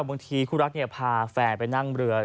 บางทีคู่รักพาแฟนไปนั่งเรือ